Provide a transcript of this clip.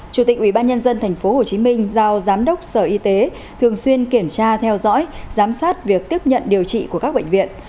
chủ tịch ubnd tp hcm giao giám đốc sở y tế thường xuyên kiểm tra theo dõi giám sát việc tiếp nhận điều trị của các bệnh viện